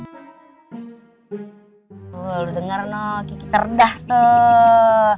tuh lo denger no kiki cerdas tuh